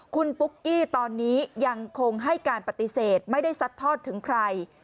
คุณปุ๊กกี้ตอนนี้ยังคงให้การปฏิเสธไม่ได้ซัดทอดถึงใคร